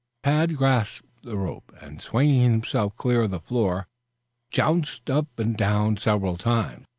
Tad grasped the rope, and swinging himself clear of the floor, jounced up and down several times.